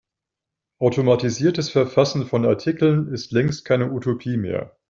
Automatisiertes Verfassen von Artikeln ist längst keine Utopie mehr.